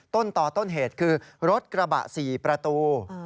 ต้นต่อต้นเหตุคือรถกระบะ๔ประตู